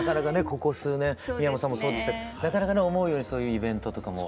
ここ数年三山さんもそうでしたかなかなかね思うようにそういうイベントとかも。